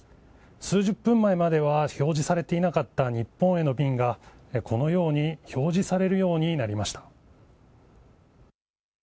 数十分前までは表示されていなかった日本への便が、このように表示されるようになりました。